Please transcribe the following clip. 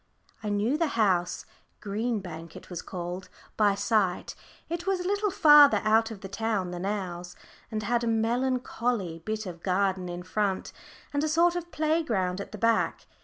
I knew the house Green Bank, it was called by sight. It was a little farther out of the town than ours, and had a melancholy bit of garden in front, and a sort of playground at the back.